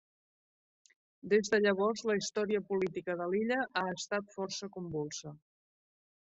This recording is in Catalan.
Des de llavors la història política de l'illa ha estat força convulsa.